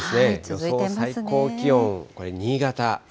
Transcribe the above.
予想最高気温、これ、新潟。